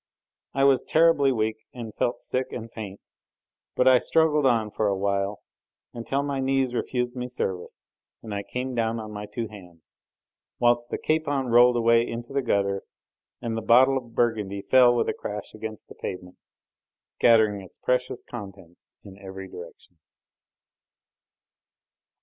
I was terribly weak and felt sick and faint, but I struggled on for a while, until my knees refused me service and I came down on my two hands, whilst the capon rolled away into the gutter, and the bottle of Burgundy fell with a crash against the pavement, scattering its precious contents in every direction.